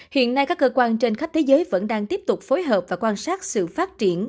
hiện nay các cơ quan trên khắp thế giới vẫn đang tiếp tục phối hợp và quan sát sự phát triển